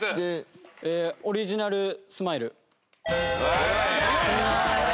『オリジナルスマイル』。